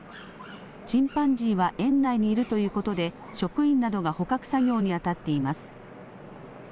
チンパンジーは園内にいるということで職員などが捕獲作業にあたっています。